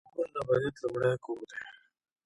قبر د ابدیت لومړی کور دی؟